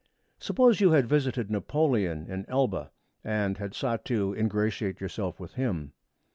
Suppose you had visited Napoleon in Elba and had sought to ingratiate yourself with him.